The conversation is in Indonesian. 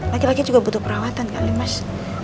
lagi lagi juga butuh perawatan kali mas